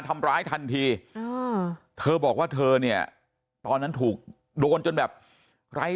ทำร้ายทันทีเธอบอกว่าเธอเนี่ยตอนนั้นถูกโดนจนแบบไร้